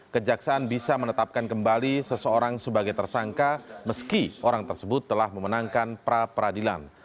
kejaksaan bisa menetapkan kembali seseorang sebagai tersangka meski orang tersebut telah memenangkan pra peradilan